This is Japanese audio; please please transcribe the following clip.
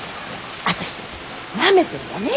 私のことなめてるわね